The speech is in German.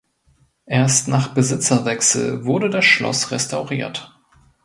Erst nach Besitzerwechsel wurde das Schloss restauriert.